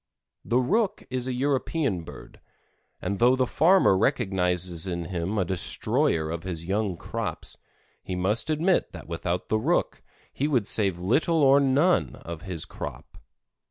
The Rook is a European bird, and though the farmer recognizes in him a destroyer of his young crops, he must admit that without the Rook he would save little or none of his crop.